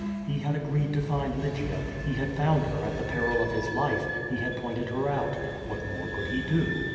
He had agreed to find Lygia, he had found her at tiie peril of his life, he had pointed her out. What more could he do?